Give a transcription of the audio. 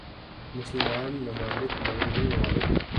مسلمان ممالک مغربی ممالک